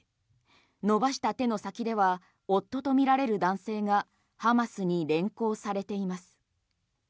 伸ばした手の先では夫とみられる男性がハマスに連行されています。